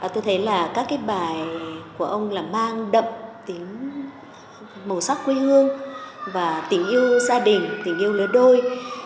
tôi thấy là các cái bài của ông là mang đậm màu sắc quê hương và tình yêu gia đình tình yêu lứa đôi